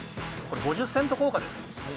５０セント硬貨です。